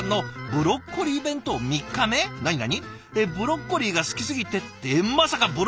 「ブロッコリーが好きすぎて」ってまさかブロッコリーだけ？！